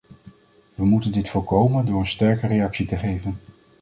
We moeten dit voorkomen door een sterke reactie te geven.